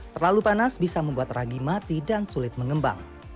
terlalu panas bisa membuat ragi mati dan sulit mengembang